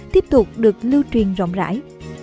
tiếp tục được lưu truyền rộng rãi